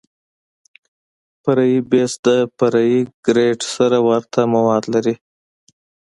فرعي بیس د فرعي ګریډ سره ورته مواد لري